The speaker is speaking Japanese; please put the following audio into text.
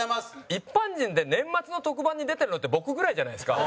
一般人で年末の特番に出てるのって僕ぐらいじゃないですか。